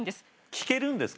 聞けるんですか？